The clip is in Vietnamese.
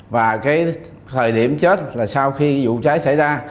và cái thời điểm chết là sau khi vụ cháy xảy ra